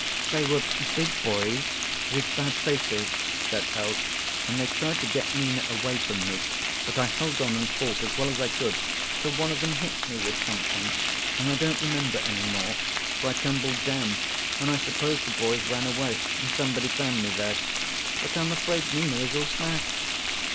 "They were big boys with bad faces," said Else, "and they tried to get Nina away from me, but I held on and fought as well as I could till one of them hit me with something, and I don't remember any more, for I tumbled down, and I suppose the boys ran away, and somebody found me there. But I'm afraid Nina is all smashed."